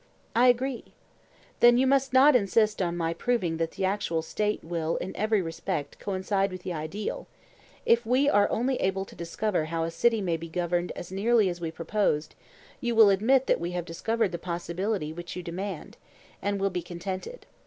I agree. Then you must not insist on my proving that the actual State will in every respect coincide with the ideal: if we are only able to discover how a city may be governed nearly as we proposed, you will admit that we have discovered the possibility which you demand; and will be contented.